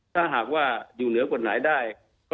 ถ้าหากว่าอยู่เหนือกว่าไหนได้